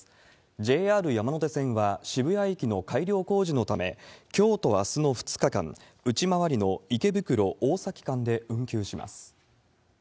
ＪＲ山手線は、渋谷駅の改良工事のため、きょうとあすの２日間、内回りの池袋・大崎間で運休します。